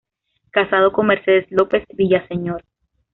Casado con "Mercedes López Villaseñor".